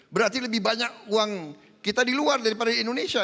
berarti lebih banyak uang kita di luar daripada di indonesia